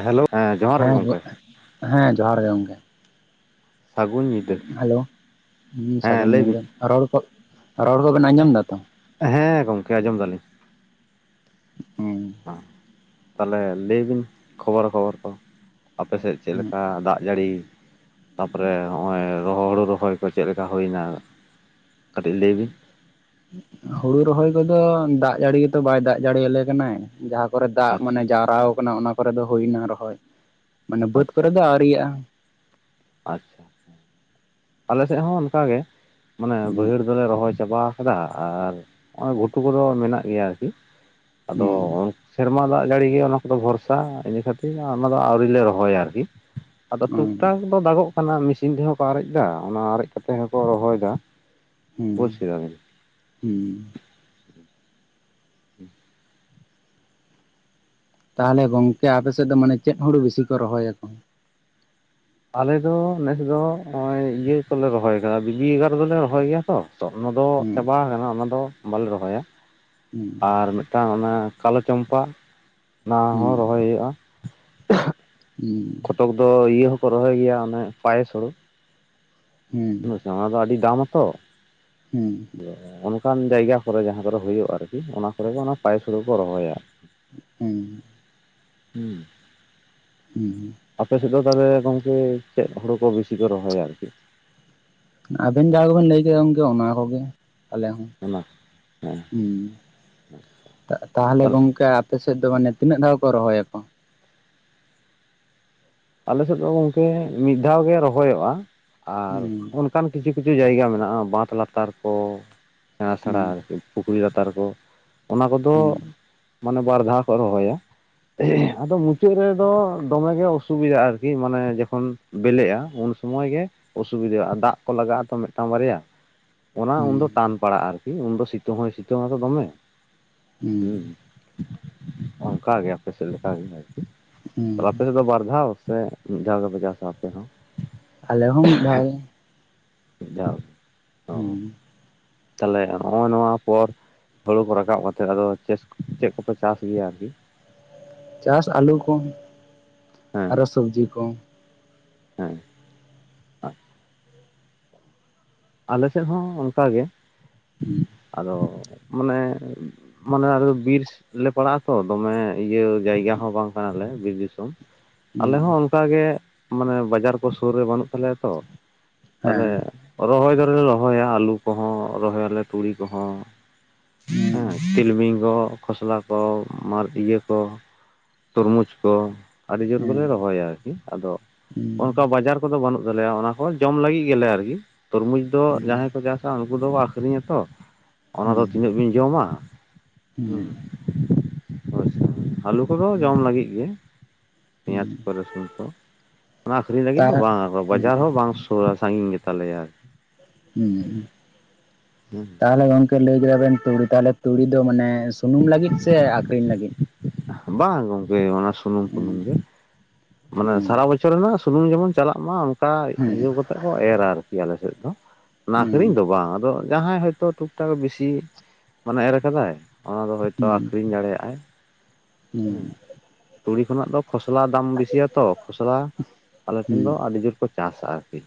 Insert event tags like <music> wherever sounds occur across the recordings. Hello ᱦᱮᱸ ᱡᱚᱦᱟᱨ ᱜᱮ ᱦᱮᱞᱳ, ᱜᱚᱢᱠᱮ ᱦᱮᱸ ᱦᱮᱸ ᱡᱚᱦᱟᱨ ᱜᱮ ᱜᱚᱢᱠᱮ᱾ ᱥᱟᱹᱜᱩᱱ <unintelligible> ᱼᱼ ᱦᱮᱞᱳ, ᱦᱩᱸ ᱥᱟᱹᱜᱩᱱ ᱵᱤᱱ ᱧᱤᱫᱟᱹ ᱾ ᱨᱚᱲ ᱠᱚ ᱨᱚᱲ ᱠᱚᱵᱮᱱ ᱟᱸᱡᱚᱢ ᱮᱫᱟ ᱛᱚ? ᱦᱮᱸ ᱜᱚᱝᱠᱮ ᱟᱸᱡᱚᱢ ᱫᱟᱞᱤᱧ᱾ ᱦᱩᱸᱼᱼ ᱛᱟᱦᱞᱮ ᱞᱟᱹᱭ ᱵᱤᱱ, ᱠᱷᱚᱵᱚᱨᱟ ᱠᱷᱚᱵᱚᱨ ᱠᱚ ᱟᱯᱮ ᱥᱮᱫ ᱼᱼ? ᱪᱮᱫ ᱞᱮᱠᱟ ᱫᱟᱜ ᱡᱟᱹᱲᱤ? ᱛᱟᱯᱚᱨᱮ ᱦᱚᱜᱼᱚᱭ ᱨᱚᱦᱚ ᱦᱳᱲᱳ ᱨᱚᱦᱚᱭ ᱠᱚ ᱪᱮᱫ ᱞᱮᱠᱟ ᱦᱳᱭ ᱮᱱᱟ ᱠᱟᱹᱴᱤᱡ ᱞᱟᱹᱭ ᱵᱤᱱ ᱾ ᱦᱩᱲᱩ ᱨᱚᱦᱚᱭ ᱠᱚᱫᱚ, ᱫᱟᱜ ᱡᱟᱹᱲᱤ ᱜᱮᱛᱚ ᱵᱟᱭ ᱫᱟᱜ ᱡᱟᱹᱲᱤᱭᱟᱞᱮ ᱠᱟᱱᱟᱭ ᱾ ᱡᱟᱦᱟᱸ ᱠᱚᱨᱮ ᱫᱟᱜ ᱟᱪᱪᱷᱟ ᱢᱟᱱᱮ ᱡᱟᱣᱨᱟ ᱟᱠᱟᱱᱟ ᱚᱱᱟ ᱠᱚᱨᱮ ᱫᱚ ᱦᱳᱭ ᱮᱱᱟ ᱨᱚᱦᱚᱭ, ᱢᱟᱱᱮ ᱵᱟᱹᱫ ᱟᱪᱪᱷᱟ ᱠᱚᱨᱮ ᱫᱚ ᱟᱹᱣᱨᱤᱭᱟᱜᱼᱟ᱾ ᱟᱪᱪᱷᱟ, ᱟᱞᱮ ᱥᱮᱫ ᱦᱚᱸ ᱚᱱᱠᱟᱜ ᱜᱮ ᱢᱟᱱᱮ ᱦᱩᱸ ᱵᱟᱹᱭᱦᱟᱹᱲ ᱫᱚᱞᱮ ᱨᱚᱦᱚᱭ ᱪᱟᱵᱟ ᱟᱠᱟᱫᱟ ᱟᱨ ᱱᱚᱜ ᱚᱭ ᱜᱷᱩᱴᱩ ᱠᱚᱫᱚ ᱢᱮᱱᱟᱜ ᱜᱮᱭᱟ ᱟᱨᱠᱤ ᱾ ᱟᱫᱚ ᱦᱩᱸ ᱼᱼ ᱥᱮᱨᱢᱟ ᱫᱟᱜ ᱡᱟᱹᱲᱤ ᱜᱮ ᱚᱱᱟ ᱠᱚᱫᱚ ᱵᱷᱚᱨᱥᱟ ᱾ ᱤᱱᱟᱹ ᱠᱷᱟᱹᱛᱤᱨ ᱚᱱᱟ ᱫᱚ ᱟᱹᱣᱨᱤ ᱞᱮ ᱨᱚᱦᱚᱭᱟ ᱟᱨᱠᱤ ᱾ ᱟᱫᱚ ᱦᱩᱸ ᱴᱩᱠᱴᱟᱠ ᱫᱚ ᱫᱟᱜᱚᱜ ᱠᱟᱱᱟ ᱾ ᱢᱮᱥᱤᱱ ᱛᱮᱦᱚᱸ ᱠᱚ ᱟᱨᱮᱡ ᱫᱟ ᱾ ᱚᱱᱟ ᱟᱨᱮᱡ ᱠᱟᱛᱮᱜ ᱦᱚᱸᱠᱚ ᱨᱚᱦᱚᱭ ᱫᱟ ᱾ ᱦᱮᱸ ᱦᱩᱸᱼᱼ <inaudible> ᱼᱼ ᱛᱟᱦᱚᱞᱮ ᱜᱚᱝᱠᱮ ᱟᱯᱮᱥᱮᱫ ᱫᱚ ᱢᱟᱱᱮ ᱪᱮᱫ ᱦᱩᱲᱩ ᱵᱤᱥᱤ ᱠᱚ ᱨᱚᱦᱚᱭᱟᱠᱚ? ᱟᱞᱮ ᱫᱚ ᱱᱮᱥ ᱫᱚ ᱱᱚᱜ ᱚᱭ ᱤᱭᱟᱹ ᱠᱚᱞᱮ ᱨᱚᱦᱚᱭ ᱟᱠᱟᱫᱟ ᱾ ᱵᱤᱵᱤ ᱮᱜᱟᱨᱫᱚᱞᱮ ᱨᱚᱦᱚᱭ ᱜᱮᱭᱟ ᱛᱚ ᱾ ᱛᱚ ᱚᱱᱟ ᱫᱚ ᱦᱩᱸ ᱪᱟᱵᱟ ᱟᱠᱟᱱᱟ ᱾ ᱚᱱᱟ ᱫᱚ ᱵᱟᱞᱮ ᱨᱚᱦᱚᱭᱟ ᱾ ᱦᱩᱸ ᱟᱨ ᱢᱤᱫᱴᱟᱝ ᱚᱱᱮ ᱠᱟᱞᱳ ᱪᱚᱢᱯᱟ, ᱚᱱᱟ ᱦᱩᱸ ᱦᱚᱸ ᱨᱚᱦᱚᱭ ᱦᱩᱭᱩᱜᱼᱟ ᱾ ᱦᱩᱸᱼᱼ ᱠᱚᱛᱚᱜ ᱫᱚ ᱤᱭᱟᱹ ᱦᱚᱸᱠᱚ ᱨᱚᱦᱚᱭ ᱜᱮᱭᱟ ᱚᱱᱮ ᱤᱭᱟᱹ ᱯᱟᱭᱮᱥ ᱦᱳᱲᱳ ᱾ ᱦᱩᱸ <unintelligible> ᱚᱱᱟ ᱫᱚ ᱟᱹᱰᱤ ᱫᱟᱢᱼᱟ ᱛᱚ ᱾ ᱦᱩᱸᱼᱼ ᱚᱱᱠᱟᱱ ᱡᱟᱭᱜᱟ ᱠᱚᱨᱮ ᱡᱟᱦᱟᱸ ᱠᱚᱨᱮ ᱦᱩᱭᱩᱜᱼᱟ ᱟᱨᱠᱤ ᱾ ᱚᱱᱟ ᱠᱚᱨᱮ ᱫᱚ ᱚᱱᱟ ᱯᱟᱭᱮᱥ ᱦᱳᱲᱳ ᱠᱚ ᱨᱚᱦᱚᱭᱟ ᱾ ᱦᱩᱼᱼ ᱦᱩᱸᱼᱼ ᱦᱩᱸᱼᱼ ᱟᱯᱮᱥᱮᱫ ᱫᱚ ᱛᱟᱦᱚᱞᱮ ᱜᱚᱝᱠᱮ, ᱪᱮᱫ ᱦᱳᱲᱳ ᱠᱚ ᱵᱤᱥᱤ ᱠᱚ ᱨᱚᱦᱚᱭᱟ ᱟᱨᱠᱤ? ᱟᱵᱮᱱ ᱡᱟᱦᱟᱸ ᱠᱚᱵᱮᱱ ᱞᱟᱹᱭ ᱠᱮᱫᱟ ᱜᱚᱝᱠᱮ ᱚᱱᱟ ᱠᱚᱜᱮ ᱾ ᱟᱞᱮ ᱦᱚᱸ ᱚᱱᱟ ᱦᱮᱸ ᱦᱩᱸ, ᱛᱟ ᱛᱟᱦᱞᱮ ᱛᱟᱦᱚᱞᱮ ᱜᱚᱝᱠᱮ ᱟᱯᱮ ᱥᱮᱫ ᱫᱚ ᱢᱟᱱᱮ ᱛᱤᱱᱟᱹᱜ ᱫᱷᱟᱣ ᱠᱚ ᱨᱚᱦᱚᱭᱟᱠᱚ? ᱟᱞᱮᱥᱮᱫ ᱫᱚ ᱜᱚᱝᱠᱮ ᱢᱤᱫ ᱫᱷᱟᱣ ᱜᱮ ᱨᱚᱦᱚᱭᱚᱜᱼᱟ ᱾ ᱟᱨ ᱦᱩᱸ ᱩᱱᱼᱼ ᱚᱱᱠᱟᱱ ᱠᱤᱪᱷᱩ ᱠᱤᱪᱷᱩ ᱡᱟᱭᱜᱟ ᱢᱮᱱᱟᱜᱼᱟ ᱵᱟᱸᱫ ᱞᱟᱛᱟᱨ ᱠᱚ ᱥᱮᱬᱟ ᱥᱮᱬᱟ ᱦᱩᱸ ᱟᱨᱠᱤ ᱯᱩᱠᱷᱨᱤ ᱞᱟᱛᱟᱨ ᱠᱚ ᱚᱱᱟ ᱦᱩᱸ ᱠᱚᱫᱚ ᱢᱟᱱᱮ ᱵᱟᱨ ᱫᱷᱟᱣ ᱠᱚ ᱨᱚᱦᱚᱭᱟ᱾ ᱟᱫᱚ ᱢᱩᱪᱟᱹᱫ ᱨᱮᱫᱚ ᱫᱚᱢᱮ ᱜᱮ ᱚᱥᱩᱵ ᱚ ᱥᱩᱵᱤᱫᱟᱜ ᱟᱨᱠᱤ ᱢᱟᱱᱮ ᱡᱚᱠᱷᱚᱱ ᱵᱮᱞᱮᱜᱼᱟ ᱩᱱ ᱥᱩᱢᱚᱭ ᱜᱮ, ᱚᱥᱩᱵᱤᱫᱟᱜᱼᱟ ᱟᱨ ᱫᱟᱜ ᱠᱚ ᱞᱟᱜᱟᱜᱼᱟ ᱛᱚ ᱢᱤᱫᱴᱟᱝ ᱵᱟᱨᱮᱭᱟ ᱚᱱᱟ ᱩᱱᱫᱚ ᱦᱩᱸ ᱴᱟᱱ ᱯᱟᱲᱟᱜᱼᱟ ᱟᱨᱠᱤ ᱩᱱᱫᱚ ᱥᱤᱛᱩᱝ ᱦᱚᱸᱭ ᱥᱤᱛᱩᱝ ᱟᱛᱚ ᱫᱚᱢᱮ ᱦᱩᱸ, ᱚᱱᱠᱟᱜᱮ ᱟᱯᱮ ᱥᱮᱫ ᱞᱮᱠᱟᱜᱮ ᱟᱨᱠᱤ᱾ ᱦᱩᱸ ᱛᱟᱦᱚᱞᱮ ᱟᱯᱮ ᱥᱮᱫ ᱫᱚ ᱵᱟᱨ ᱫᱷᱟᱣ ᱥᱮ ᱢᱤᱫ ᱫᱷᱟᱣ ᱜᱮᱯᱮ ᱪᱟᱥᱟ ᱟᱯᱮ ᱦᱚᱸ? ᱟᱞᱮ ᱦᱚᱸ ᱢᱤᱫ ᱫᱷᱟᱣ ᱜᱮ᱾ ᱡᱟᱣ᱾ ᱦᱩᱸ᱾ ᱛᱟᱦᱚᱞᱮ ᱦᱚᱜᱼᱚ ᱱᱚᱣᱟ ᱯᱚᱨ ᱦᱳᱲᱳ ᱠᱚ ᱨᱟᱠᱟᱵ ᱠᱟᱛᱮᱫ ᱟᱫᱚ ᱪᱮᱫ ᱪᱮᱫ ᱠᱚᱯᱮ ᱪᱟᱥ ᱜᱮᱭᱟ ᱟᱨᱠᱤ? ᱪᱟᱥ ᱟᱹᱞᱩ ᱠᱚ ᱦᱮᱸ ᱟᱨᱚ ᱥᱚᱵᱡᱤ ᱠᱚ᱾ ᱦᱮᱸ ᱟᱪ ᱟᱞᱮ ᱥᱮᱫ ᱦᱚᱸ ᱚᱱᱠᱟ ᱜᱮ᱾ ᱦᱩᱸ ᱟᱫᱚ ᱢᱟᱱᱮ ᱢᱟᱱᱮ ᱟᱞᱮ ᱫᱚ ᱵᱤᱨᱥ ᱞᱮ ᱯᱟᱲᱟᱜᱼᱟ ᱛᱚ ᱫᱚᱢᱮ ᱤᱭᱟᱹ ᱡᱟᱭᱜᱟ ᱦᱚᱸ ᱵᱟᱝ ᱠᱟᱱᱟᱞᱮ ᱵᱤᱨ ᱫᱤᱥᱚᱢ ᱦᱩᱸ ᱟᱞᱮ ᱦᱚᱸ ᱚᱱᱠᱟ ᱜᱮ ᱢᱟᱱᱮ ᱵᱟᱡᱟᱨ ᱠᱚ ᱥᱩᱨ ᱨᱮ ᱵᱟᱹᱱᱩᱜ ᱛᱟᱞᱮᱭᱟ ᱛᱚ ᱦᱮᱸ ᱛᱟᱦᱚᱞᱮ ᱨᱚᱦᱚᱭ ᱫᱚᱞᱮ ᱨᱚᱦᱚᱭᱟ ᱟᱹᱞᱩ ᱠᱚᱦᱚᱸ ᱨᱚᱦᱚᱭᱟᱞᱮ ᱛᱩᱲᱤ ᱠᱚᱦᱚᱸ᱾ ᱦᱩᱸ ᱦᱮᱸ ᱛᱤᱞᱢᱤᱝ ᱠᱚ ᱠᱷᱚᱥᱞᱟ ᱠᱚ ᱢᱟᱨ ᱤᱭᱟᱹ ᱠᱚ, ᱛᱚᱨᱢᱩᱡᱽ ᱠᱚ, ᱟᱹᱰᱤ ᱦᱩᱸ ᱡᱳᱨ ᱦᱩᱸ ᱜᱮᱞᱮ ᱨᱚᱦᱚᱭᱟ ᱟᱨᱠᱤ ᱟᱫᱚ ᱦᱩᱸ ᱚᱱᱠᱟ ᱵᱟᱡᱟᱨ ᱠᱚᱫᱚ ᱵᱟᱹᱱᱩᱜ ᱛᱟᱞᱮᱭᱟ ᱚᱱᱟ ᱦᱚᱸ ᱡᱚᱢ ᱞᱟᱹᱜᱤᱫ ᱜᱮᱞᱮ ᱟᱨᱠᱤ ᱛᱚᱨᱢᱩᱡᱽ ᱫᱚ ᱡᱟᱦᱟᱸᱭ ᱠᱚ ᱪᱟᱥᱟ ᱩᱱᱠᱩ ᱫᱚᱠᱚ ᱟᱠᱷᱨᱤᱧᱟᱛᱚ᱾ ᱚᱱᱟ ᱫᱚ ᱦᱩᱸ ᱛᱤᱱᱟᱹᱜ ᱵᱤᱱ ᱡᱚᱢᱟ ᱦᱩᱸ᱾ ᱦᱳᱭᱥᱮ ᱟᱹᱞᱩ ᱠᱚᱫᱚ ᱦᱩᱸ ᱡᱚᱢ ᱞᱟᱹᱜᱤᱜ ᱜᱮ᱾ ᱯᱮᱸᱭᱟᱡ ᱦᱩᱸ ᱠᱚ ᱨᱟᱥᱩᱱ ᱠᱚ ᱚᱱᱟ ᱟᱠᱷᱨᱤᱧ ᱞᱟᱹᱜᱤᱫ ᱛᱟ ᱫᱚ ᱵᱟᱝᱟ ᱦᱩᱸ ᱵᱟᱡᱟᱨ ᱦᱚᱸ ᱵᱟᱝ ᱥᱩ ᱛᱷᱚᱲᱟ ᱥᱟᱺᱜᱤᱧ ᱜᱮ ᱛᱟᱞᱮᱭᱟ᱾ ᱦᱩᱸ ᱦᱩᱸ ᱦᱩᱸ᱾ ᱛᱟᱦᱚᱞᱮ ᱜᱚᱝᱠᱮ ᱞᱟᱹᱭ ᱵᱮᱱ ᱟᱵᱤᱱ ᱛᱩᱲᱤ ᱛᱟᱦᱚᱞᱮ ᱛᱩᱲᱤ ᱫᱚ ᱢᱟᱱᱮ ᱥᱩᱱᱩᱢ ᱞᱟᱹᱜᱤᱫ ᱥᱮ ᱟᱠᱷᱨᱤᱧ ᱞᱟᱹᱜᱤᱫ? ᱵᱟᱝ ᱜᱚᱝᱠᱮ ᱚᱱᱟ ᱥᱩᱱᱩᱢ ᱯᱷᱩᱱᱩᱢ ᱦᱩᱸ ᱜᱮ ᱢᱟᱱᱮ ᱦᱩᱸ ᱥᱟᱨᱟ ᱵᱚᱪᱷᱚ ᱚᱪ ᱨᱮᱱᱟᱜ ᱥᱩᱱᱩᱢ ᱡᱮᱢᱚᱱ ᱪᱟᱞᱟᱜ ᱢᱟ ᱚᱝᱠᱟ ᱦᱩᱸ ᱤᱭᱟᱹ ᱠᱟᱛᱮ ᱠᱚ ᱮᱨᱟ ᱟᱨᱠᱤ ᱟᱞᱮ ᱥᱮᱫ ᱫᱚ᱾ ᱚᱱᱟ ᱦᱩᱸ ᱟᱠᱷᱨᱤᱧ ᱫᱚ ᱵᱟᱝ ᱟᱫᱚ ᱡᱟᱦᱟᱸᱭ ᱦᱚᱭᱛᱚ ᱴᱩᱠ ᱴᱟᱠ ᱵᱤᱥᱤ ᱢᱟᱱᱮ ᱮᱨ ᱠᱟᱫᱟᱭ᱾ ᱚᱱᱟ ᱫᱚ ᱦᱚᱭᱛᱚ ᱦᱩᱸ ᱟᱠᱷᱨᱤᱧ ᱫᱟᱲᱮᱭᱟᱜ-ᱟᱭ ᱦᱩᱸ ᱦᱮᱸ ᱛᱩᱲᱤ ᱠᱷᱚᱱᱟᱜ ᱫᱚ ᱠᱷᱚᱥᱞᱟ ᱫᱟᱢ ᱵᱮᱥᱤᱭᱟ ᱛᱚ ᱠᱷᱚᱥᱞᱟ ᱟᱞᱮ ᱴᱷᱮᱱ ᱫᱚ ᱦᱩᱸ ᱟᱹᱰᱤ ᱡᱩᱨ ᱠᱚ ᱪᱟᱥᱟ ᱟᱨᱠᱤ᱾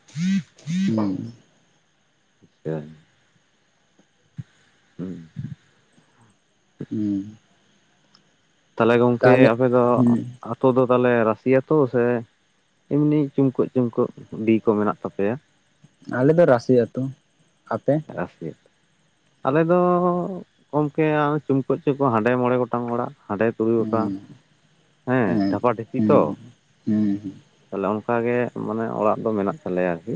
<inaudible> <unintelligible> ᱦᱩᱸ ᱦᱩᱸ ᱛᱟᱦᱚᱞᱮ ᱜᱚᱝᱠᱮ ᱟᱯᱮ ᱫᱚ᱾ ᱟᱛᱳ ᱫᱚ ᱛᱟᱦᱚᱞᱮ ᱨᱟᱥᱤ ᱟᱛᱩ ᱥᱮ ᱮᱢᱱᱤ ᱪᱩᱢᱠᱟᱹᱜ ᱪᱩᱝᱠᱟᱹᱜ ᱰᱤ ᱠᱚ ᱢᱮᱱᱟᱜ ᱛᱟᱯᱮᱭᱟ᱾ ᱟᱞᱮ ᱫᱚ ᱨᱟᱥᱤ ᱟᱹᱛᱩ ᱟᱯᱮ? ᱟᱥᱨᱮᱫ᱾ ᱟᱞᱮ ᱫᱚ ᱜᱚᱢᱠᱮ ᱪᱩᱢᱠᱟᱹᱜ ᱪᱚᱠᱚ ᱦᱟᱸᱰᱮ ᱢᱚᱸᱬᱮ ᱜᱚᱴᱟᱝ ᱚᱲᱟᱜ᱾ ᱦᱟᱸᱰᱮ <unintelligible> ᱟᱠᱟᱱ ᱦᱩᱸ ᱦᱮᱸ ᱦᱩᱸ ᱰᱷᱟᱯᱟ ᱰᱷᱤᱯᱤ ᱦᱩᱸ ᱛᱚ ᱦᱩᱸ ᱦᱩᱸ <unintelligible> <unintelligible> ᱢᱟᱱᱮ ᱚᱲᱟᱜ ᱫᱚ ᱢᱮᱱᱟᱜ ᱛᱟᱞᱮᱭᱟ ᱟᱨᱠᱤ᱾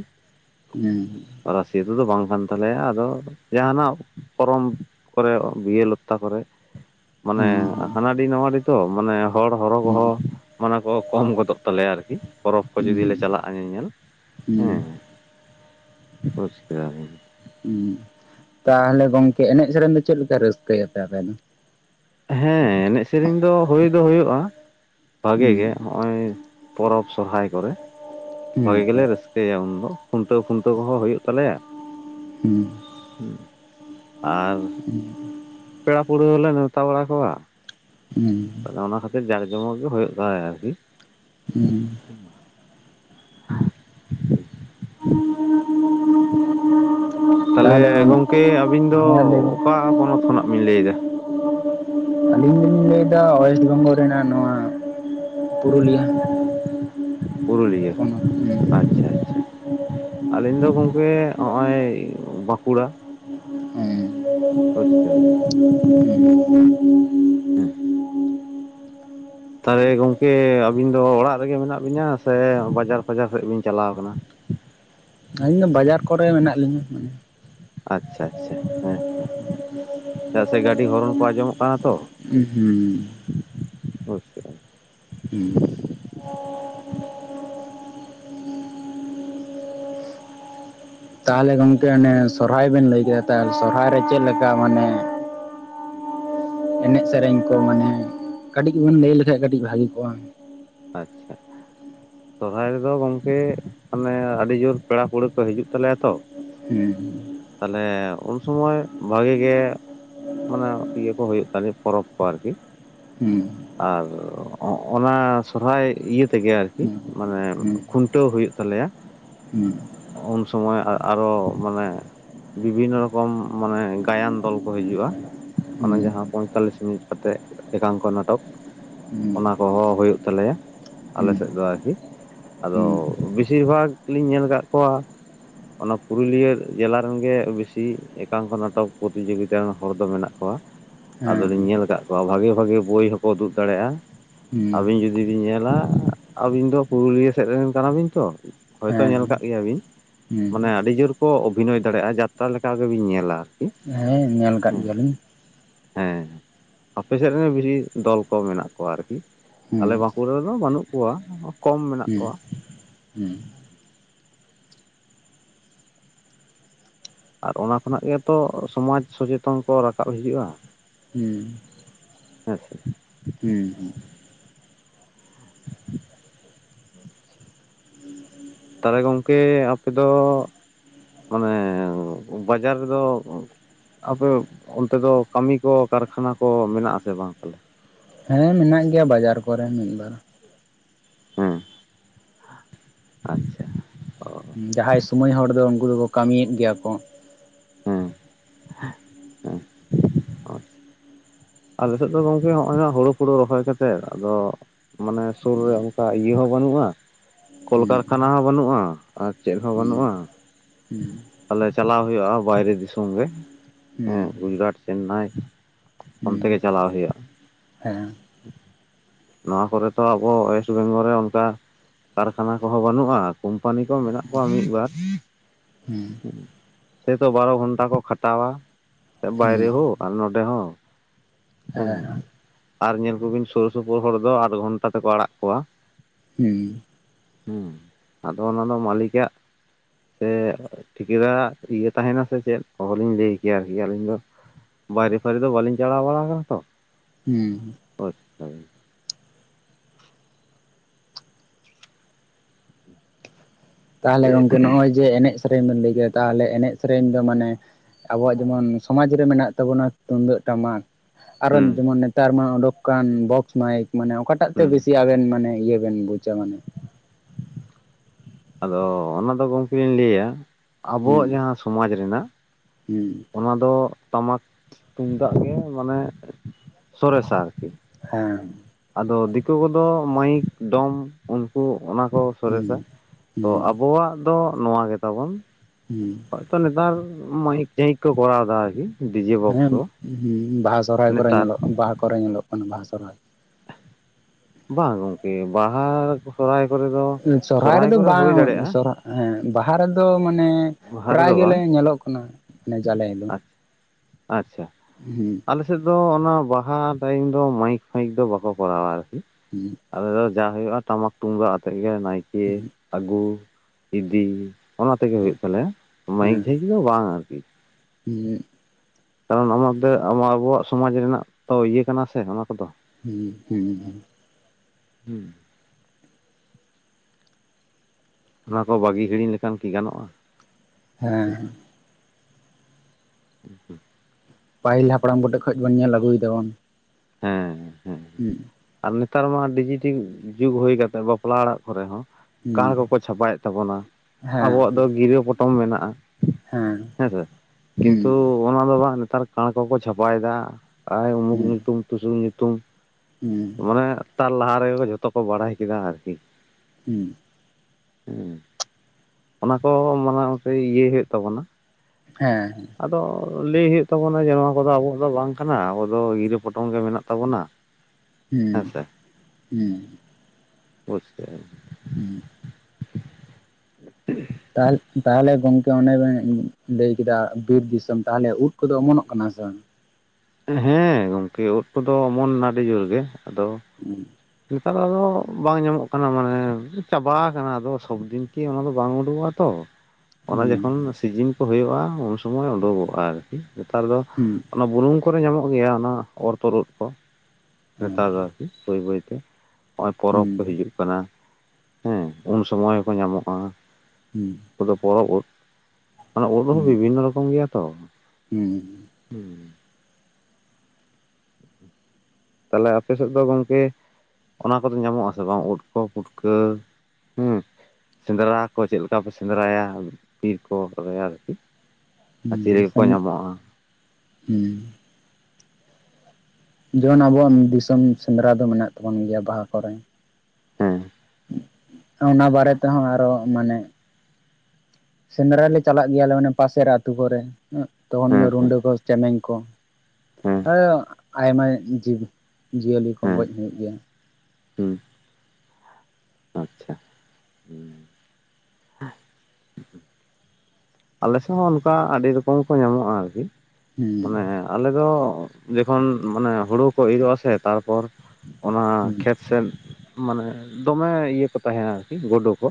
ᱦᱩᱸ᱾ <unintelligible> ᱵᱟᱝ ᱠᱷᱟᱱ ᱛᱟᱞᱦᱮ ᱟᱫᱚ ᱡᱟᱦᱟᱱᱟᱜ ᱯᱚᱨᱚᱢ ᱠᱚᱨᱮ <unintelligible> ᱠᱚᱨᱮ᱾ ᱢᱟᱱᱮ ᱦᱟᱱᱟᱰᱤ ᱱᱟᱣᱟᱰᱤ ᱛᱚ ᱢᱟᱱᱮ ᱦᱚᱲ ᱦᱚᱨᱚ ᱦᱩᱸ ᱦᱩᱸ ᱠᱚᱦᱚ ᱢᱟᱱᱮ ᱠᱚ ᱠᱚᱢ ᱜᱚᱫᱚᱜ ᱛᱟᱞᱮᱭᱟ ᱟᱨᱠᱤ ᱯᱚᱨᱚᱵᱽ ᱠᱚ ᱡᱩᱫᱤ ᱞᱮ ᱪᱟᱞᱟᱜ-ᱟ ᱧᱮᱧᱮᱞ ᱦᱩᱸ᱾ <unintelligible> ᱩᱸ ᱛᱟᱦᱚᱞᱮ ᱜᱚᱝᱠᱮ ᱮᱱᱮᱡ ᱥᱮᱨᱮᱧ ᱫᱚ ᱪᱮᱫ ᱞᱮᱠᱟ ᱨᱟᱹᱥᱠᱟᱹ ᱭᱟᱯᱮ ᱟᱯᱮ ᱫᱚ? ᱦᱮᱸ ᱮᱱᱮᱡ ᱥᱮᱨᱮᱧ ᱫᱚ ᱦᱩᱭ ᱫᱚ ᱦᱩᱭᱩᱜ-ᱟ ᱵᱷᱟᱜᱮ ᱦᱩᱸ ᱜᱮ ᱱᱚᱜ-ᱚᱭ ᱯᱚᱨᱚᱵᱽ ᱥᱚᱨᱦᱟᱭ ᱠᱚᱨᱮ ᱦᱩᱸ ᱵᱷᱟᱜᱤ ᱜᱮᱞᱮ ᱨᱟᱹᱥᱠᱟᱹᱭᱟ ᱩᱱᱫᱚ ᱠᱷᱩᱱᱴᱟᱹᱣ ᱠᱷᱩᱱᱴᱟᱹᱣ ᱠᱚᱦᱚᱸ ᱦᱩᱭᱩᱜ ᱛᱟᱞᱮᱭᱟ᱾ ᱦᱩᱸ᱾ ᱟᱨ <unintelligible> ᱯᱮᱲᱟ ᱯᱟᱹᱲᱦᱟᱹ ᱦᱚᱞᱮ ᱱᱮᱣᱛᱟ ᱵᱟᱲᱟ ᱠᱚᱣᱟ᱾ ᱦᱩᱸ ᱛᱚ ᱚᱱᱟ ᱠᱷᱟᱹᱛᱤᱨ ᱡᱟᱠ ᱡᱚᱢᱚᱠ ᱜᱮ ᱦᱩᱭᱩᱜ ᱛᱟᱦᱮ ᱟᱨᱠᱤ᱾ ᱦᱩᱸ ᱛᱟᱦᱚᱞᱮ ᱜᱚᱝᱠᱮ ᱟᱵᱤᱱ ᱫᱚ ᱦᱮᱸ ᱞᱟᱹᱭ ᱵᱤᱱ ᱚᱠᱟ ᱯᱚᱱᱚᱛ ᱠᱷᱚᱱᱟᱜ ᱵᱤᱱ ᱞᱟᱹᱭ ᱫᱟ? ᱚᱭᱮᱥᱴ ᱵᱮᱝᱜᱚᱞ ᱨᱮ <unintelligible> ᱱᱚᱣᱟ ᱯᱩᱨᱩᱞᱤᱭᱟᱹ᱾ ᱯᱩᱨᱩᱞᱤᱭᱟᱹ, ᱯᱚᱱᱚᱛ ᱦᱩᱸ ᱦᱩᱸ ᱟᱪᱪᱷᱟ ᱟᱪᱪᱷᱟ᱾ ᱟᱞᱤᱧ ᱫᱚ ᱜᱚᱝᱠᱮ ᱦᱚᱜ-ᱚᱭ ᱵᱟᱸᱠᱩᱲᱟ᱾ <unintelligible> <unintelligible> <unintelligible> ᱛᱟᱦᱚᱞᱮ ᱜᱚᱝᱠᱮ ᱟᱹᱵᱤᱱ ᱫᱚ ᱚᱲᱟᱜ ᱨᱮᱜᱮ ᱢᱮᱱᱟᱜ ᱵᱤᱱᱟ ᱥᱮ ᱵᱟᱡᱟᱨ ᱯᱷᱟᱡᱟᱨ ᱥᱮᱜ ᱵᱤᱱ ᱪᱟᱞᱟᱣ ᱠᱟᱱᱟ? ᱟᱹᱞᱤᱧ ᱫᱚ ᱵᱟᱡᱟᱨ ᱠᱚᱨᱮ ᱢᱮᱱᱟᱜ ᱞᱤᱧᱟᱹ ᱾ ᱟᱪᱪᱷᱟ ᱟᱪᱪᱷᱟ, ᱦᱮᱸ ᱦᱮᱸ, ᱪᱮᱫᱟᱜ ᱥᱮ ᱜᱟᱹᱰᱤ ᱦᱚᱨᱮᱱ ᱠᱚ ᱟᱸᱡᱚᱢᱚᱜ ᱠᱟᱱᱟ ᱛᱚ᱾ ᱦᱩᱸ᱾ ᱟᱪᱪᱷᱟ ᱾ ᱦᱩᱸ᱾ ᱛᱟᱦᱚᱞᱮ ᱜᱚᱝᱠᱮ ᱚᱱᱮ ᱥᱚᱨᱦᱟᱭ ᱵᱮᱱ ᱞᱟᱹᱭ ᱠᱮᱜ-ᱟ᱾ ᱛᱟᱨ ᱥᱚᱨᱦᱟᱭ ᱨᱮ ᱪᱮᱫ ᱞᱮᱠᱟ ᱢᱟᱱᱮ ᱮᱱᱮᱡ ᱥᱮᱨᱮᱧ ᱠᱚ ᱢᱟᱱᱮ ᱠᱟᱹᱴᱤᱡ ᱵᱮᱱ ᱞᱟᱹᱭ ᱞᱮᱠᱷᱟᱡ ᱠᱟᱹᱴᱤᱡ ᱵᱷᱟᱜᱤ ᱠᱚᱜᱼᱟ᱾ ᱟᱪᱪᱷᱟ᱾ ᱥᱚᱨᱦᱟᱭ ᱨᱮᱫᱚ ᱜᱚᱝᱠᱮ ᱢᱟᱱᱮ ᱟᱹᱰᱤ ᱡᱳᱨ ᱯᱮᱲᱟ ᱯᱟᱹᱣᱲᱟᱹ ᱠᱚ ᱦᱤᱡᱩᱜ ᱛᱟᱞᱮᱭᱟ ᱛᱚ᱾ ᱦᱮᱸ᱾ ᱛᱟᱦᱚᱞᱮ ᱩᱱ ᱥᱚᱢᱚᱭ ᱵᱷᱟᱜᱤ ᱜᱮ ᱢᱟᱱᱮ ᱤᱭᱟᱹ ᱠᱚ ᱦᱩᱭᱩᱜ ᱛᱟᱞᱮᱭᱟ ᱯᱚᱨᱚᱵᱽ ᱠᱚ ᱟᱨᱠᱤ᱾ ᱦᱩᱸ᱾ ᱟᱨ ᱚᱱᱟ ᱥᱚᱨᱦᱟᱭ ᱤᱭᱟᱹ ᱛᱮᱜᱮ ᱟᱨ ᱠᱤ ᱦᱩᱸ ᱢᱟᱱᱮ ᱦᱩᱸ ᱦᱩᱸ ᱠᱷᱩᱱᱴᱟᱹᱣ ᱦᱩᱭᱩᱜ ᱛᱟᱞᱮᱭᱟ ᱩᱱ ᱥᱩᱢᱚᱭ ᱟᱨᱚ ᱢᱟᱱᱮ ᱵᱤᱵᱷᱤᱱ ᱨᱚᱠᱚᱢ ᱢᱟᱱᱮ ᱜᱟᱭᱟᱱ ᱫᱚᱞ ᱠᱚ ᱦᱤᱡᱩᱜᱼᱟ᱾ ᱚᱱᱟ ᱡᱟᱦᱟᱸ ᱯᱚᱸᱭᱛᱟᱞᱤᱥ ᱢᱤᱱᱤᱴ ᱠᱟᱛᱮᱫ ᱮᱠᱟᱝ ᱠᱚ ᱱᱟᱴᱚᱠ᱾ ᱦᱩᱸ ᱚᱱᱟ ᱠᱚᱦᱚᱸ ᱦᱩᱭᱩᱜ ᱛᱟᱞᱮᱭᱟ ᱟᱞᱮ ᱥᱮᱫ ᱫᱚ ᱟᱨ ᱠᱤ᱾ ᱦᱩᱸ ᱦᱩᱸ ᱟᱫᱚ ᱦᱩᱸ ᱵᱤᱥᱤᱨ ᱵᱷᱟᱜᱽ ᱛᱮᱞᱤᱧ ᱧᱮᱞ ᱠᱟᱜ ᱠᱚᱣᱟ ᱚᱱᱟ ᱯᱩᱨᱩᱞᱤᱭᱟᱹ ᱡᱮᱞᱟ ᱨᱮᱱ ᱜᱮ ᱵᱤᱥᱤ ᱮᱠᱟᱝ ᱠᱚ ᱱᱟᱴᱚᱠ ᱯᱚᱛᱤ ᱡᱳᱜᱤᱛᱟ ᱨᱮᱱ ᱦᱚᱲ ᱫᱚ ᱢᱮᱱᱟᱜ᱾ <unintelligible> ᱟᱫᱚ ᱞᱤᱧ ᱦᱮᱸ ᱧᱮᱞ ᱠᱟᱜ ᱠᱚᱣᱟ ᱵᱷᱟᱜᱤ ᱵᱷᱟᱜᱤ ᱵᱳᱭ ᱦᱚᱸᱠᱚ ᱩᱫᱩᱜ ᱫᱟᱲᱮᱭᱟᱜ-ᱟ᱾ ᱦᱩᱸ ᱟᱹᱵᱤᱱ ᱡᱩᱫᱤ ᱵᱤᱱ ᱧᱮᱞᱟ, ᱟᱹᱵᱤᱱ ᱫᱚ ᱯᱩᱨᱩᱞᱤᱭᱟᱹ ᱥᱮᱫ ᱨᱮᱱ ᱠᱟᱱᱟ ᱵᱤᱱ ᱛᱚ᱾ ᱦᱳᱭ ᱛᱚ ᱦᱮᱸ ᱧᱮᱞ ᱠᱟᱜ ᱜᱮᱭᱟ ᱵᱤᱱ᱾ ᱦᱩᱸ ᱢᱟᱱᱮ ᱟᱹᱰᱤ ᱡᱳᱨ ᱠᱚ ᱚᱵᱷᱤᱱᱚᱭ ᱫᱟᱲᱮᱭᱟᱜ-ᱟ ᱡᱟᱛᱨᱟ ᱞᱮᱠᱟ ᱜᱮᱵᱤᱱ ᱧᱮᱞᱟ ᱟᱨᱠᱤ᱾ ᱦᱮᱸ ᱧᱮᱞ ᱠᱟᱫ ᱦᱮᱸ ᱜᱮᱭᱟ ᱞᱤᱧ᱾ ᱦᱮᱸ ᱟᱯᱮ ᱥᱮᱫ ᱨᱮᱱ ᱵᱮᱥᱤ ᱫᱚᱞ ᱠᱚ ᱢᱮᱱᱟᱜ ᱠᱚᱣᱟ ᱟᱨᱠᱤ ᱦᱩᱸ ᱟᱞᱮ ᱵᱟᱸᱠᱩᱲᱟ ᱨᱮᱫᱚ ᱵᱟᱹᱱᱩᱜ ᱠᱚᱣᱟ ᱠᱚᱢ ᱢᱮᱱᱟᱜ ᱦᱩᱸ ᱠᱚᱣᱟ᱾ ᱦᱩᱸ <inaudible> ᱟᱨ ᱚᱱᱟ ᱠᱷᱚᱱᱟᱜ ᱜᱮᱛᱚ ᱥᱚᱢᱟᱡᱽ ᱥᱚᱪᱮᱛᱚᱱ ᱠᱚ ᱨᱟᱠᱟᱵ ᱦᱤᱡᱩᱜ-ᱟ᱾ ᱦᱩᱸ <inaudible> ᱦᱮᱸ ᱦᱩᱸ᱾ ᱛᱟᱦᱚᱞᱮ ᱜᱚᱝᱠᱮ ᱟᱯᱮ ᱫᱚ ᱢᱟᱱᱮ ᱵᱟᱡᱟᱨ ᱨᱮᱫᱚ ᱟᱫᱚ ᱚᱱᱛᱮ ᱫᱚ ᱠᱟᱹᱢᱤ ᱠᱚ ᱠᱟᱨᱠᱷᱟᱱᱟ ᱠᱚ ᱢᱮᱱᱟᱜ-ᱟ ᱥᱮ ᱵᱟᱝ ᱯᱟᱞᱮ? ᱦᱮᱸ ᱢᱮᱱᱟᱜ ᱜᱮᱭᱟ ᱵᱟᱡᱟᱨ ᱠᱚᱨᱮ ᱢᱤᱫ ᱵᱟᱨ᱾ ᱦᱮᱸ ᱟᱪᱪᱷᱟ᱾ ᱚ ᱡᱟᱦᱟᱸᱭ ᱥᱩᱢᱳᱭ ᱦᱚᱲ ᱫᱚ ᱩᱱᱠᱩ ᱫᱚᱠᱚ ᱠᱟᱹᱢᱤᱭᱮᱫ ᱠᱟᱱ ᱜᱮᱭᱟ ᱠᱚ᱾ ᱦᱮᱸ ᱦᱮᱸ᱾ ᱚ ᱟᱞᱮ ᱥᱮᱫ ᱫᱚ ᱜᱚᱝᱠᱮ ᱦᱚᱜ-ᱚ ᱱᱚᱶᱟ ᱦᱩᱲᱩ ᱠᱚ ᱨᱚᱦᱚᱭ ᱠᱟᱛᱮᱫ ᱟᱫᱚ ᱢᱟᱱᱮ ᱥᱩᱨ ᱨᱮ ᱚᱱᱠᱟ ᱤᱭᱟᱹ ᱦᱚᱸ ᱵᱟᱹᱱᱩᱜ-ᱟ, ᱠᱚᱞ ᱦᱩᱸ ᱠᱟᱨᱠᱷᱟᱱᱟ ᱦᱚᱸ ᱵᱟᱹᱱᱩᱜ-ᱟ ᱟᱨ ᱪᱮᱫ ᱦᱚᱸ ᱦᱩᱸ ᱵᱟᱹᱱᱩᱜ-ᱟ᱾ ᱦᱩᱸ ᱛᱟᱦᱞᱮ ᱪᱟᱞᱟᱣ ᱦᱩᱭᱩᱜ-ᱟ ᱵᱟᱭᱨᱮ ᱫᱤᱥᱚᱢ ᱜᱮ ᱦᱮᱸ ᱦᱩᱸ ᱜᱩᱡᱽᱨᱟᱛ, ᱪᱮᱱᱱᱟᱭ᱾ ᱚᱱᱛᱮ ᱜᱮ ᱪᱟᱞᱟᱣ ᱦᱩᱭᱩᱜ-ᱟ᱾ ᱦᱮᱸ ᱱᱚᱣᱟ ᱠᱚᱨᱮ ᱛᱚ ᱟᱵᱚ ᱣᱮᱥᱴ ᱵᱮᱝᱜᱚᱞ ᱨᱮ ᱚᱱᱠᱟ ᱠᱟᱨᱠᱷᱟᱱᱟ ᱠᱚᱦᱚᱸ ᱵᱟᱹᱱᱩᱜ-ᱟ ᱠᱳᱢᱯᱟᱱᱤ ᱠᱚ ᱢᱮᱱᱟᱜ ᱠᱚᱣᱟ ᱢᱤᱫ ᱵᱟᱨ᱾ ᱦᱩᱸ᱾ ᱥᱮᱛᱚ ᱵᱟᱨᱚ ᱜᱷᱚᱱᱴᱟ ᱠᱚ ᱠᱷᱟᱴᱟᱣᱟ ᱵᱟᱭᱨᱮ ᱦᱩᱸ ᱦᱳ ᱟᱨ ᱱᱚᱸᱰᱮ ᱦᱚᱸ᱾ ᱦᱮᱸ, ᱟᱨ ᱧᱮᱞ ᱠᱚᱵᱤᱱ ᱥᱩᱨ ᱥᱩᱯᱩᱨ ᱦᱚᱲ ᱫᱚ ᱟᱴᱷ ᱜᱷᱚᱱᱴᱟ ᱛᱮᱠᱚ ᱟᱲᱟᱜ ᱠᱚᱣᱟ᱾ ᱦᱩᱸ ᱦᱩᱸ ᱟᱫᱚ ᱚᱱᱟ ᱫᱚ ᱢᱟᱹᱞᱤᱠ ᱠᱟᱜ᱾ ᱥᱮ ᱴᱷᱤᱠᱟᱹ ᱫᱟᱨᱟᱜ ᱤᱭᱟᱹ ᱛᱟᱦᱮᱱᱟ ᱥᱮ ᱪᱮᱫ ᱚᱦᱚᱞᱤᱧ ᱞᱟᱹᱭ ᱠᱮᱭᱟ ᱟᱹᱞᱤᱧ ᱫᱚ᱾ ᱵᱟᱭᱨᱮ ᱯᱷᱟᱭᱨᱤ ᱫᱚ ᱵᱟᱹᱞᱤᱧ ᱪᱟᱞᱟᱣ ᱵᱟᱲᱟ ᱠᱟᱱᱟ ᱛᱚ <inaudible> ᱦᱩᱸ ᱛᱟᱦᱚᱞᱮ ᱜᱚᱝᱠᱮ ᱱᱚᱜ-ᱚᱭ ᱡᱮ ᱮᱱᱮᱡ ᱥᱮᱨᱮᱧ ᱵᱮᱱ ᱞᱟᱹᱭ ᱠᱮᱫᱟ ᱛᱟᱦᱚᱞᱮ ᱮᱱᱮᱡ ᱥᱮᱨᱮᱧ ᱫᱚ ᱢᱟᱱᱮ ᱟᱵᱚᱣᱟᱜ ᱡᱮᱢᱚᱱ ᱥᱚᱢᱟᱡᱽ ᱨᱮ ᱢᱮᱱᱟᱜ ᱛᱟᱵᱚᱱᱟ ᱛᱩᱱᱫᱟᱹᱜ ᱴᱟᱢᱟᱠ ᱟᱨᱚ ᱦᱩᱸ ᱡᱮᱢᱚᱱ ᱱᱮᱛᱟᱨ ᱢᱟ ᱚᱰᱚᱠ ᱠᱟᱱ ᱵᱚᱠᱥ ᱢᱟᱭᱤᱠ ᱢᱟᱱᱮ ᱚᱠᱟ ᱴᱟᱜ ᱛᱮ ᱦᱩᱸ ᱵᱮᱥᱤ ᱟᱵᱮᱱ ᱢᱟᱱᱮ ᱤᱭᱟᱹ ᱵᱮᱱ ᱵᱩᱡᱟ ᱢᱟᱱᱮ ᱟᱫᱚ ᱚᱱᱟᱫᱚ ᱜᱚᱝᱠᱮᱭ ᱞᱟᱹᱭᱟ ᱦᱩᱸ ᱟᱵᱚᱣᱟᱜ ᱡᱟᱦᱟᱸ ᱥᱚᱢᱟᱡᱽ ᱨᱮᱱᱟᱜ ᱦᱩᱸ ᱚᱱᱟ ᱫᱚ ᱴᱟᱢᱟᱠ ᱛᱩᱢᱫᱟᱜ ᱜᱮ ᱢᱟᱱᱮ ᱥᱚᱨᱮᱥᱟ ᱟᱨᱠᱤ᱾ ᱦᱮᱸ ᱟᱫᱚ ᱫᱤᱠᱩ ᱠᱚᱫᱚ ᱢᱟᱭᱤᱠ ᱰᱚᱢ ᱩᱱᱠᱩ ᱚᱱᱟ ᱠᱚ ᱦᱩᱸ ᱥᱚᱨᱮᱥᱟ᱾ ᱛᱚ ᱦᱩᱸ ᱟᱵᱚᱣᱟᱜ ᱫᱚ ᱱᱚᱣᱟ ᱜᱮ ᱛᱟᱵᱚᱱ, ᱦᱩᱸ ᱦᱚᱭᱛᱚ ᱱᱮᱛᱟᱨ ᱢᱟᱭᱤᱠ ᱡᱟᱹᱭᱤᱠ ᱠᱚ ᱠᱚᱨᱟᱣ ᱫᱟ ᱟᱨᱠᱤ ᱰᱤᱡᱮ ᱵᱚᱠᱥ ᱦᱮᱸ ᱠᱚ᱾ ᱵᱟᱦᱟ ᱥᱚᱨᱦᱟᱭ ᱠᱚᱨᱮ ᱱᱮᱛᱟᱨ ᱧᱮᱞᱚᱜ ᱵᱟᱦᱟ ᱠᱚᱨᱮ ᱧᱮᱞᱚᱜ ᱠᱟᱱᱟ ᱵᱟᱦᱟ ᱥᱚᱨᱚᱨᱟᱭ ᱾ ᱵᱟᱝ ᱜᱚᱝᱠᱮ ᱵᱟᱦᱟ ᱥᱚᱨᱦᱟᱭ ᱠᱚᱨᱮ ᱫᱚ ᱥᱚᱨᱦᱟᱭ ᱨᱮᱫᱚ ᱠᱚᱨᱮ ᱦᱩᱭ ᱵᱟᱝ ᱫᱟᱲᱮᱭᱟᱜ-ᱟ᱾ ᱥᱚᱨᱦᱟ ᱦᱮᱸ ᱵᱟᱦᱟ ᱨᱮᱫᱚ ᱢᱟᱱᱮ ᱵᱟᱦᱟ ᱯᱨᱟᱭ ᱨᱮᱫᱚ ᱜᱮᱞᱮ ᱵᱟᱝ ᱧᱮᱞᱚᱜ ᱠᱟᱱᱟ ᱚᱱᱮ ᱡᱟᱞᱮ ᱦᱤᱞᱳᱜ ᱾ ᱟᱪᱪᱷᱟ᱾ ᱦᱮᱸ᱾ ᱟᱞᱮ ᱥᱮᱫ ᱫᱚ ᱚᱱᱟ ᱵᱟᱦᱟ ᱴᱟᱭᱤᱢ ᱢᱟᱭᱤᱠ ᱢᱟᱹᱭᱤᱠ ᱫᱚ ᱵᱟᱠᱚ ᱠᱚᱨᱟᱣᱟ ᱟᱨᱠᱤ ᱾ ᱦᱮᱸ ᱟᱞᱮ ᱫᱚ ᱡᱟ ᱦᱳᱭᱳᱜᱼᱟ ᱴᱟᱢᱟᱠ ᱛᱩᱢᱫᱟᱜ ᱟᱛᱮᱜ ᱜᱮ ᱱᱟᱭᱠᱮ ᱟᱹᱜᱩ, ᱤᱫᱤ᱾ ᱚᱱᱟ ᱛᱮᱜᱮ ᱦᱩᱭᱩᱜ ᱛᱟᱞᱮᱭᱟ ᱦᱮᱸ ᱢᱟᱭᱤ ᱴᱟᱭᱤᱠ ᱫᱚ ᱵᱟᱝ ᱟᱨᱠᱤ ᱾ <unintelligible> ᱠᱟᱨᱚᱱ ᱟᱢᱟᱜ ᱫᱚ ᱟᱵᱚᱣᱟᱜ ᱥᱚᱢᱟᱡᱽ ᱨᱮᱱᱟᱜ ᱛᱚ ᱤᱭᱟᱹ ᱠᱟᱱᱟ ᱥᱮ ᱚᱱᱟ ᱠᱚᱫᱚ ᱾ ᱦᱮᱸ ᱦᱩᱸ ᱦᱩᱸ ᱦᱩᱸ ᱚᱱᱟ ᱠᱚ ᱵᱟᱹᱜᱤ ᱦᱤᱲᱤᱧ ᱞᱮᱠᱷᱟᱱ ᱠᱤ ᱜᱟᱱᱚᱜᱼᱟ? ᱦᱮᱸ ᱦᱮᱸ᱾ ᱦᱩᱸ ᱯᱟᱹᱤᱞ ᱦᱟᱯᱲᱟᱢ ᱠᱚᱴᱷᱮᱡ ᱠᱷᱚᱡ ᱵᱚᱱ ᱧᱮᱞ ᱟᱹᱜᱩᱭ ᱫᱟᱵᱚᱱ ᱾ ᱦᱮᱸ ᱦᱮᱸ ᱦᱮᱸ ᱟᱨ ᱱᱮᱛᱟᱨ ᱢᱟ ᱰᱤᱡᱤᱴᱤᱝ ᱡᱩᱜᱽ ᱦᱩᱭ ᱠᱟᱛᱮᱫ ᱵᱟᱯᱞᱟ ᱚᱲᱟᱜ ᱠᱚᱨᱮ ᱦᱚᱸ ᱾ ᱠᱟᱬ ᱦᱩᱸ ᱠᱚᱠᱚ ᱪᱷᱟᱯᱟᱭᱮᱫ ᱛᱟᱵᱚᱱᱟ ᱦᱮᱸ ᱟᱵᱚᱣᱟᱜ ᱫᱚ ᱜᱤᱨᱟᱹ ᱯᱚᱴᱚᱢ ᱢᱮᱱᱟᱜᱼᱟ ᱾ ᱦᱮᱸ ᱥᱮ ᱦᱩᱸ ᱠᱤᱱᱛᱩ ᱚᱱᱟ ᱫᱚ ᱵᱟᱝ ᱱᱮᱛᱟᱨ ᱠᱟᱬᱠᱚ ᱠᱚ ᱪᱷᱟᱯᱟᱭᱮᱫᱟ ᱾ ᱟᱭ ᱩᱢᱩᱠ ᱧᱩᱛᱩᱢ ᱛᱩᱥᱩᱠ ᱧᱩᱛᱩᱢ ᱾ ᱦᱮᱸ ᱛᱟᱨ ᱞᱟᱦᱟ ᱨᱮᱜᱮ ᱡᱷᱚᱛᱚ ᱠᱚ ᱵᱟᱲᱟᱭ ᱠᱮᱫᱟ ᱟᱨᱠᱤ ᱾ ᱦᱮᱸ <unintelligible> ᱚᱱᱟ ᱠᱚ ᱢᱟᱱᱟᱣ ᱥᱮ ᱤᱭᱟᱹᱭ ᱦᱩᱭᱩᱜ ᱛᱟᱵᱚᱱᱟ ᱾ ᱦᱮᱸ ᱦᱮᱸ ᱟᱫᱚ ᱞᱟᱹᱭ ᱦᱩᱭᱩᱜ ᱛᱟᱵᱚᱱᱟ ᱡᱮ ᱱᱚᱣᱟ ᱠᱚᱫᱚ ᱟᱵᱚᱣᱟᱜ ᱫᱚ ᱵᱟᱝ ᱠᱟᱱᱟ ᱟᱵᱚᱫ ᱫᱚ ᱜᱤᱨᱟᱹ ᱯᱚᱴᱚᱢ ᱜᱮ ᱢᱮᱱᱟᱜ ᱛᱟᱵᱚᱱᱟ ᱾ ᱦᱮᱸ ᱦᱮᱸ <unintelligible> ᱦᱩᱸ ᱛᱟᱦᱞ ᱛᱟᱦᱚᱞᱮ ᱜᱚᱝᱠᱮ ᱚᱱᱮ ᱵᱮᱱ ᱞᱟᱹᱭ ᱠᱮᱫᱟ ᱵᱤᱨ ᱫᱤᱥᱚᱢ ᱛᱟᱦᱚᱞᱮ ᱩᱫ ᱠᱚᱫᱚ ᱚᱢᱚᱱᱚᱜ ᱠᱟᱱᱟ ᱥᱮ ᱵᱟᱝ? ᱦᱮᱸ ᱜᱚᱝᱠᱮ ᱩᱫ ᱠᱚᱫᱚ ᱚᱢᱚᱱᱱᱟ ᱟᱹᱰᱤ ᱡᱳᱨ ᱜᱮ ᱟᱫᱚ ᱾ ᱦᱩᱸ ᱱᱮᱛᱟᱨ ᱟᱫᱚ ᱵᱟᱝ ᱧᱟᱢᱚᱜ ᱠᱟᱱᱟ ᱢᱟᱱᱮ ᱪᱟᱵᱟ ᱟᱠᱟᱱᱟ ᱟᱫᱚ ᱥᱚᱵᱫᱤᱱ ᱠᱤ ᱚᱱᱟ ᱫᱚ ᱵᱟᱝ ᱩᱰᱩᱠᱚᱜᱼᱟ ᱛᱚ᱾ <inaudible> ᱚᱱᱟ ᱡᱚᱠᱷᱚᱱ ᱦᱩᱸ ᱥᱤᱡᱤᱱ ᱠᱚ ᱦᱩᱭᱩᱜᱼᱟ᱾ ᱩᱱᱥᱩᱢᱟᱹᱭ ᱩᱰᱩᱠᱚᱜᱼᱟ ᱟᱨᱠᱤ ᱱᱮᱛᱟᱨ ᱫᱚ ᱦᱩᱸ ᱚᱱᱟ ᱵᱩᱱᱩᱢ ᱠᱚᱨᱮ ᱧᱟᱢᱚᱜ ᱜᱮᱭᱟ ᱚᱱᱟ ᱚᱨᱛᱚᱫ ᱩᱫ ᱠᱚ ᱦᱩᱸ ᱱᱮᱛᱟᱨ ᱟᱨᱠᱤ ᱵᱟᱹᱭ ᱵᱟᱹᱭᱛᱮ ᱱᱚᱜᱼᱚᱭ ᱯᱚᱨᱚᱵᱽ ᱠᱚ ᱦᱩᱸ ᱦᱤᱡᱩᱜ ᱠᱟᱱᱟ ᱦᱮᱸ ᱩᱱ ᱥᱚᱢᱚᱭ ᱦᱚᱸᱠᱚ ᱧᱟᱢᱚᱜᱼᱟ᱾ ᱦᱩᱸ ᱫᱚ ᱯᱚᱨᱚᱵ ᱩᱫ ᱢᱟᱱᱮ ᱩᱫ ᱦᱚᱸ ᱦᱩᱸ ᱵᱤᱵᱷᱤᱱᱱᱚ ᱨᱚᱠᱚᱢ ᱜᱮᱭᱟ ᱛᱚ ᱦᱩᱸ ᱦᱩᱸ ᱛᱟᱦᱚᱞᱮ ᱟᱯᱮᱥᱮᱫ ᱫᱚ ᱜᱚᱝᱠᱮ ᱚᱱᱟ ᱠᱚᱫᱚ ᱧᱟᱢᱚᱜ ᱟᱥᱮ ᱵᱟᱝ ᱳᱫ ᱠᱚ ᱯᱩᱴᱠᱟᱹ ᱦᱩᱸ᱾ ᱥᱮᱸᱫᱽᱨᱟ ᱠᱚ ᱪᱮᱫ ᱞᱮᱠᱟᱯᱮ ᱥᱮᱸᱫᱽᱨᱟᱭᱟ ᱵᱤᱨ ᱠᱚ ᱨᱮ ᱟᱨᱠᱤ ᱜᱟᱪᱷᱤ ᱨᱮᱜᱮ ᱠᱚ ᱧᱟᱢᱚᱜᱼᱟ <inaudible> ᱡᱮᱢᱚᱱ ᱟᱵᱚᱣᱟᱜ ᱫᱤᱥᱚᱢ ᱥᱮᱸᱫᱽᱨᱟ ᱫᱚ ᱢᱮᱱᱟᱜ ᱛᱟᱵᱚᱱ ᱜᱮᱭᱟ ᱵᱟᱦᱟ ᱠᱚᱨᱮ ᱦᱮᱸ᱾ ᱚᱱᱟ ᱵᱟᱨᱮ ᱛᱮᱦᱚᱸ ᱟᱨᱚ ᱢᱟᱱᱮ ᱥᱮᱸᱫᱽᱨᱟ ᱞᱮ ᱪᱟᱞᱟᱜ ᱜᱮᱭᱟᱞᱮ ᱢᱟᱱᱮ ᱯᱟᱥᱮᱨ ᱟᱹᱛᱩ ᱠᱚᱨᱮ ᱛᱚᱠᱷᱚᱱ ᱫᱚ ᱦᱮᱸ ᱨᱩᱰᱟᱹ ᱠᱚ, ᱪᱮᱢᱮᱧ ᱠᱚ ᱦᱮᱸ ᱟᱭᱢᱟ ᱡᱤᱵ ᱡᱤᱭᱟᱹᱞᱤ ᱠᱚ ᱦᱮᱸ ᱜᱚᱡ ᱦᱩᱭᱩᱜ ᱜᱮᱭᱟ᱾ ᱦᱩᱸ ᱟᱪᱪᱷᱟ ᱦᱩᱸ ᱾ ᱟᱞᱮᱥᱮᱫ ᱦᱚᱸ ᱚᱱᱠᱟ ᱟᱹᱰᱤ ᱨᱚᱠᱚᱢ ᱠᱚ ᱧᱟᱢᱚᱜᱼᱟ ᱟᱨᱠᱤ ᱦᱩᱸ᱾ ᱢᱟᱱᱮ ᱟᱞᱮ ᱫᱚ ᱡᱚᱠᱷᱚᱱ ᱢᱟᱱᱮ ᱦᱩᱲᱩ ᱠᱚ ᱤᱨᱚᱜᱼᱟ ᱥᱮ ᱛᱟᱨᱯᱚᱨ ᱚᱱᱟ ᱦᱩᱸ ᱠᱷᱮᱛ ᱥᱮᱫ ᱢᱟᱱᱮ ᱫᱚᱢᱮ ᱤᱭᱟᱹ ᱠᱚ ᱛᱟᱦᱮᱱᱟ ᱟᱨᱠᱤ ᱜᱩᱰᱩ ᱠᱚ᱾